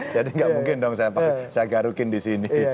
jadi nggak mungkin dong saya garukin di sini